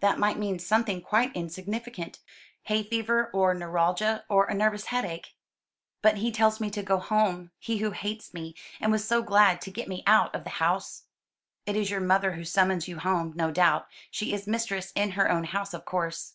That might mean something quite insignificant hay fever or neuralgia, or a nervous headache." "But he tells me to go home he who hates me, and was so glad to get me out of the house." "It is your mother who summons you home, no doubt. She is mistress in her own house, of course."